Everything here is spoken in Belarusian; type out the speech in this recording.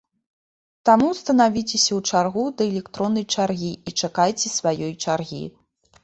Таму станавіцеся ў чаргу да электроннай чаргі і чакайце сваёй чаргі.